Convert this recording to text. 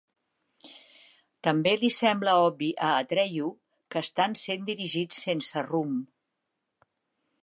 També li sembla obvi a Atreyu que estan sent dirigits sense rumb.